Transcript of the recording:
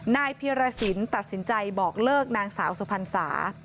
เพียรสินตัดสินใจบอกเลิกนางสาวสุพรรษา